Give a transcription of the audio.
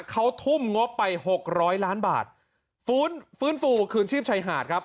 เขาทุ่มงบไปหกร้อยล้านบาทฟื้นฟื้นฟูคืนชีพชายหาดครับ